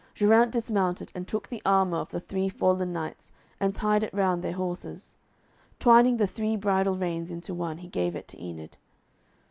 Geraint dismounted, and took the armour of the three fallen knights, and tied it round their horses. Twining the three bridle reins into one, he gave it to Enid.